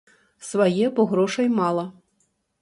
Свае, бо грошай мала.